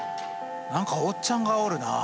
何かおっちゃんがおるなあ。